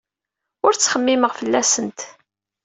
Ur ttxemmimeɣ fell-asent.